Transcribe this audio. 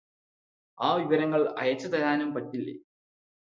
ആ വിവരങ്ങള് അയച്ചുതരാനും പറ്റില്ലേ